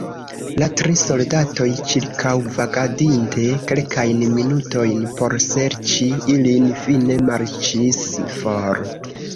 La tri soldatoj, ĉirkaŭvagadinte kelkajn minutojn por serĉi ilin, fine marŝis for.